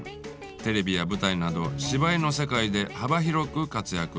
テレビや舞台など芝居の世界で幅広く活躍。